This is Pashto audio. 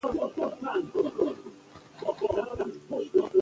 انګور د افغانستان د جغرافیوي تنوع مثال دی.